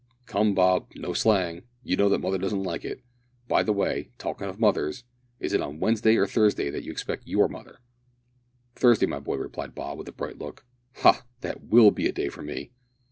"Come, Bob, no slang. You know that mother doesn't like it. By the way, talkin' of mothers, is it on Wednesday or Thursday that you expect your mother?" "Thursday, my boy," replied Bob, with a bright look. "Ha! that will be a day for me!"